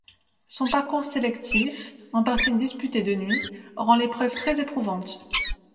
Son parcours sélectif, en partie disputé de nuit, rend l'épreuve très éprouvante.